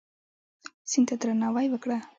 سیند ته درناوی وکړه.